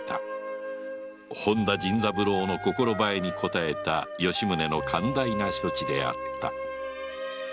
本田甚三郎の心延えに応えた吉宗の寛大な処置であった